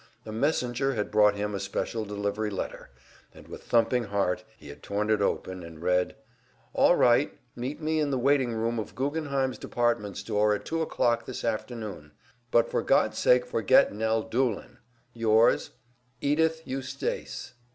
A messenger had brought him a special delivery letter, and with thumping heart he had torn it open and read: "All right. Meet me in the waiting room of Guggenheim's Department Store at two o'clock this afternoon. But for God's sake forget Nell Doolin. Yours, Edythe Eustace."